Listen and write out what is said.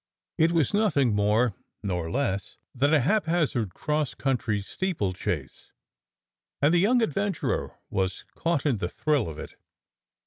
It was nothing more nor less than a haphazard cross country steeplechase, and the young adventurer was caught in the thrill of it.